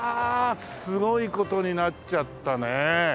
すごい事になっちゃったね。